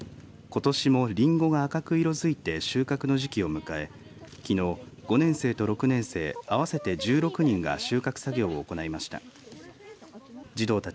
ことしも、りんごが赤く色づいて収穫の時期を迎えきのう、５年生と６年生合わせて１６人が収穫作業を行いました。